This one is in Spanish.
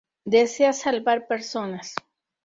Desea salvar personas.